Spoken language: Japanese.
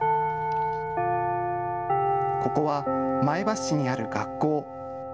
ここは前橋市にある学校。